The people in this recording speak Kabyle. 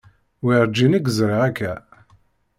Werǧin i k-ẓriɣ akka.